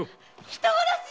人殺し！